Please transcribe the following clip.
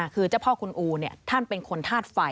คือเจ้าพ่อคุณอูท่านเป็นคนธาตุไฟ